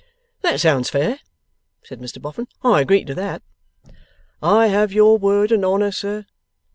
'That sounds fair,' said Mr Boffin. 'I agree to that.' 'I have your word and honour, sir?